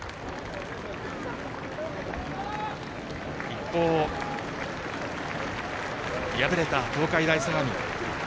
一方、敗れた東海大相模。